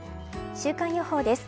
週間予報です。